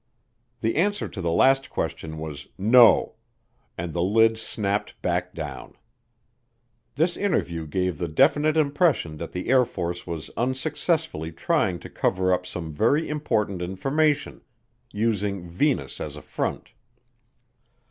The answer to the last question was "No," and the lid snapped back down. This interview gave the definite impression that the Air Force was unsuccessfully trying to cover up some very important information, using Venus as a front.